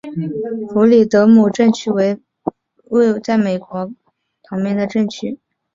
弗里德姆镇区为位在美国堪萨斯州波旁县的镇区。